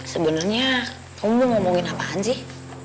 sebenarnya kamu udah ngomongin apaan sih